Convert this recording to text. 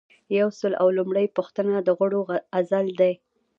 یو سل او لومړۍ پوښتنه د غړو عزل دی.